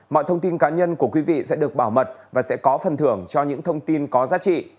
mọi thông tin cá nhân của quý vị sẽ được bảo mật và sẽ có phần thưởng cho những thông tin có giá trị